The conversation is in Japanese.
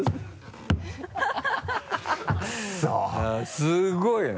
すごいね。